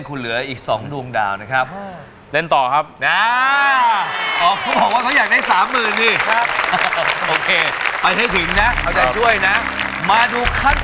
ขอคำถามครับ